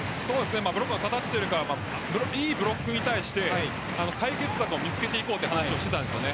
ブロックの形というよりはいいブロックに対して解決策を見つけていこうという話をしていたんです。